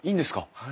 はい。